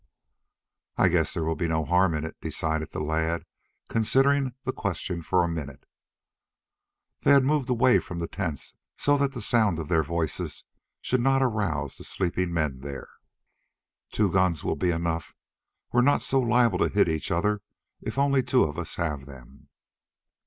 "I guess there will be no harm in it," decided the lad, considering the question for a minute. They had moved away from the tents so that the sound of their voices should not arouse the sleeping men there. "Two guns will be enough. We're not so liable to hit each other if only two of us have them."